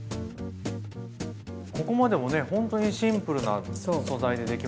ここまでもねほんとにシンプルな素材でできますよね。